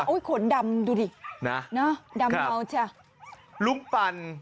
โอ้ยขนดำดูดิดำเบาจ้ะ